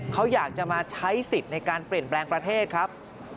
เขาอยากจะมาใช้สิทธิ์ในการเปลี่ยนแปลงประเทศครับ